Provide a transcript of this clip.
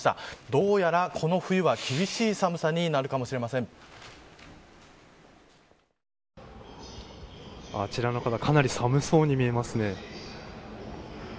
どうやらこの冬は厳しい寒さにあちらの方かなり寒そうに見えますね。